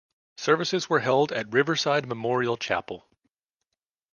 Services were held at Riverside Memorial Chapel.